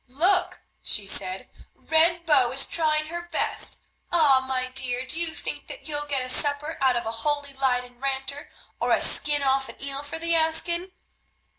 "Look," she said, "Red Bow is trying her best. Ah! my dear, do you think that you'll get a supper out of a holy Leyden ranter, or a skin off an eel for the asking?"